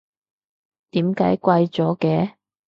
點解貴咗嘅？